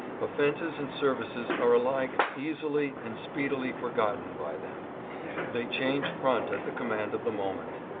Offenses and services are alike easily and speedily forgotten by them. They change front at the com mand of the moment.